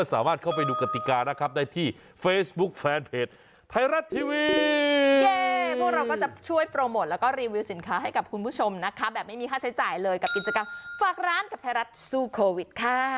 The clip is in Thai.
สู้โควิดสู้โควิดสู้โควิดสู้โควิดสู้โควิดสู้โควิดสู้โควิดสู้โควิดสู้โควิดสู้โควิด